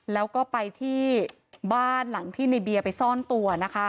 แล้วก็ไปที่บ้านหลังที่ในเบียร์ไปซ่อนตัวนะคะ